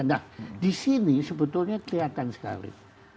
nah di sini sebetulnya kelihatan sekali